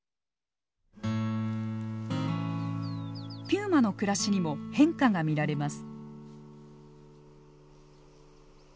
ピューマの暮らしにも変化が見られます。